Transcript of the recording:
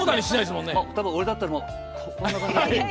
俺だったら、こんな感じに。